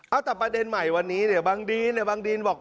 เอาแต่ประเด็นใหม่วันนี้เนี่ยบางดีนเนี่ยบางดีนบอก